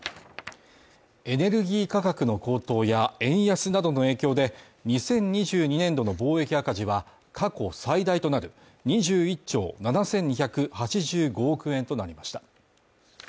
エネルギー価格の高騰や円安などの影響で２０２２年度の貿易赤字は過去最大となる２１兆７２８５億円となりました。